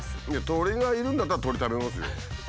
鶏がいるんだったら鶏食べますよ。